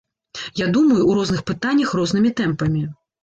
Я думаю, у розных пытаннях рознымі тэмпамі.